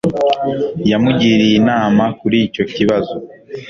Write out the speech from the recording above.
Yamugiriye inama kuri icyo kibazo